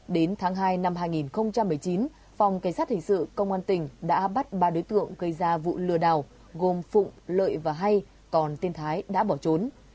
đến tháng hai năm hai nghìn một mươi chín phòng cảnh sát hình sự công an tỉnh đã bắt ba đối tượng gây ra vụ lừa đảo gồm phụng lợi và hay còn tên thái đã bỏ trốn